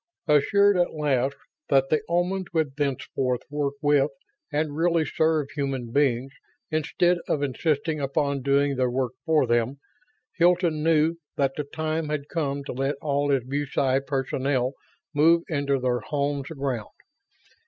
Assured at last that the Omans would thenceforth work with and really serve human beings instead of insisting upon doing their work for them, Hilton knew that the time had come to let all his BuSci personnel move into their homes aground.